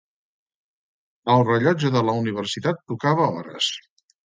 El rellotge de la Universitat tocava hores.